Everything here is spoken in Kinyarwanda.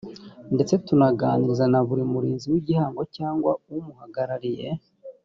ndetse tunaganiriza na buri murinzi w igihango cyangwa umuhagarariye